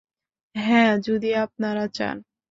হ্যাঁ, যদি আপনারা চান।